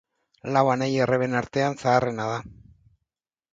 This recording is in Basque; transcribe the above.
Lau anai-arreben artean zaharrena da